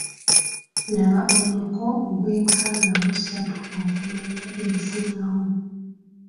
Laba omuko ogwe nkaaga mu ssatu okumanya ebisingawo.